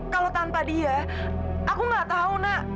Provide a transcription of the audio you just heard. kalau tanpa dia aku nggak tahu nak